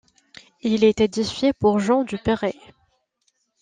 Il est édifié pour Jean du Perray.